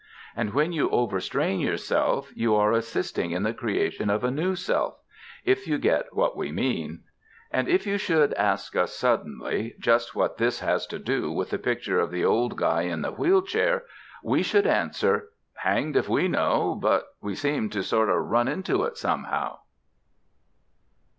And when you overstrain yourself you are assisting in the creation of a new self if you get what we mean. And if you should ask us suddenly just what this has to do with the picture of the old guy in the wheel chair we should answer: Hanged if we know, but we seemed to sort o' run into it, somehow.